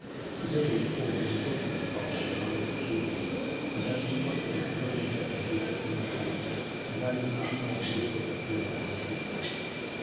Together we pulled the unfortunate fellow from under the table, and as we looked at his dripping head we exchanged glances, and I do not know which was the paler of the two.